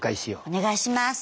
お願いします！